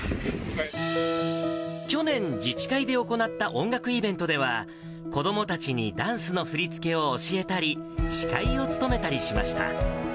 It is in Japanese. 去年、自治会で行った音楽イベントでは、子どもたちにダンスの振り付けを教えたり、司会を務めたりしました。